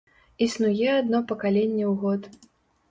Існуе адно пакаленне ў год.